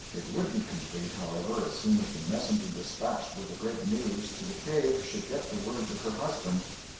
It would be complete, however, as soon as the messenger dispatched with the great news to the cave should get the word to her husband.